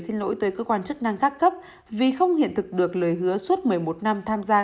xin lỗi tới cơ quan chức năng các cấp vì không hiện thực được lời hứa suốt một mươi một năm tham gia